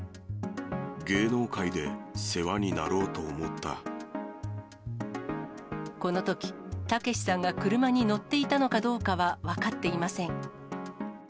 芸能界で世話になろうと思っこのとき、たけしさんが車に乗っていたのかどうかは分かっていません。